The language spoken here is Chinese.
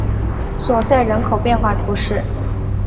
索赛人口变化图示